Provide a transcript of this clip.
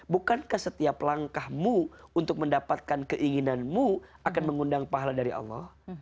bukankah setiap langkahmu untuk mendapatkan keinginanmu akan mengundang pahala dari allah